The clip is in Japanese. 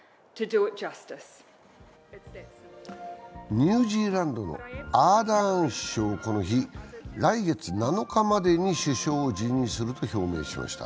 ニュージーランドのアーダーン首相はこの日、来月７日までに首相を辞任すると表明しました。